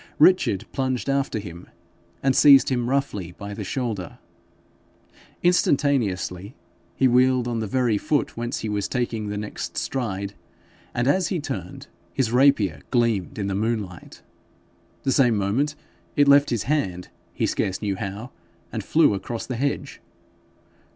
Richard plunged after him, and seized him roughly by the shoulder. Instantaneously he wheeled on the very foot whence he was taking the next stride, and as he turned his rapier gleamed in the moonlight. The same moment it left his hand, he scarce knew how, and flew across the hedge.